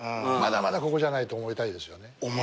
まだまだここじゃないと思いたいですよね。